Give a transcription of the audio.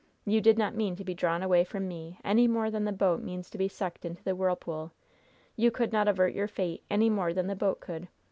You did not mean to be drawn away from me any more than the boat means to be sucked into the whirlpool! You could not avert your fate any more than the boat could.